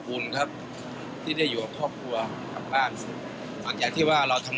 คุณครับที่ได้อยู่บ้างบางที่ว่าเราทำ